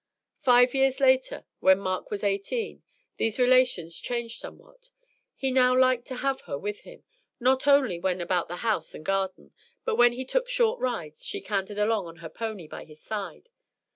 Five years later, when Mark was eighteen, these relations changed somewhat. He now liked to have her with him, not only when about the house and garden, but when he took short rides she cantered along on her pony by his side.